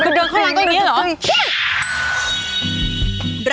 คือเดินเข้าร้านตรงนี้เหรอ